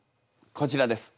こちらです。